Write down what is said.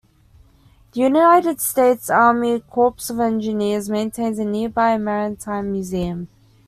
The United States Army Corps of Engineers maintains a nearby maritime museum.